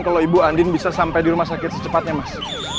kalau ibu andin bisa sampai di rumah sakit secepatnya mas